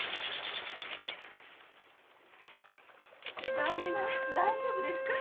旦那大丈夫ですか？